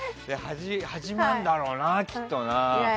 始まるんだろうな、きっとな。